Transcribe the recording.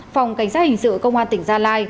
phòng cảnh sát hình sự công an tỉnh gia lai